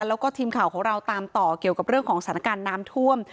แล้วก็ทีมข่าวของเราตามต่อเกี่ยวกับเรื่องของสถานการณ์น้ำท่วม